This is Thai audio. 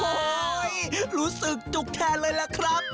โอ้โหรู้สึกจุกแทนเลยล่ะครับ